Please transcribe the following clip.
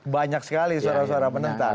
banyak sekali suara suara penentang